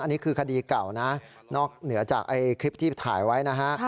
อันนี้คือคดีเก่านะนอกเหนือจากคลิปที่ถ่ายไว้นะฮะ